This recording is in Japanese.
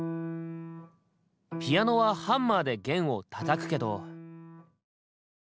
ピアノはハンマーで弦をたたくけど。